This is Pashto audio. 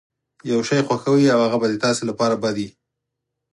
يو شی خوښوئ او هغه به ستاسې لپاره بد وي.